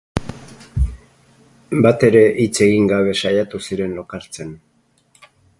Batere hitz egin gabe saiatu ziren lokartzen.